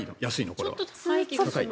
これは。